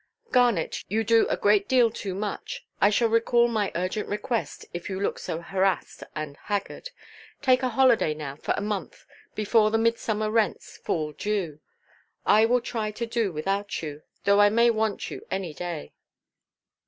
"Garnet, you do a great deal too much. I shall recall my urgent request, if you look so harassed and haggard. Take a holiday now for a month, before the midsummer rents fall due. I will try to do without you; though I may want you any day."